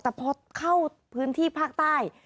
แต่พอเข้าพื้นที่ภาคใต้